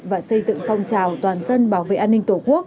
và xây dựng phong trào toàn dân bảo vệ an ninh tổ quốc